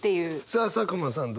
さあ佐久間さん